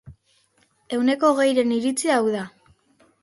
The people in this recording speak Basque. Ehuneko hogeiren iritzia hau da.